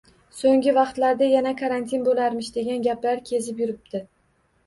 Soʻnggi vaqtlarda yana karantin boʻlarmish degan gaplar kezib yuribdi.